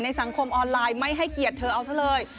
สังคมออนไลน์ไม่ให้เกียรติเธอเอาซะเลย